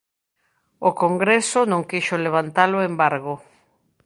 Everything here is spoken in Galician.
O Congreso non quixo levantar o embargo.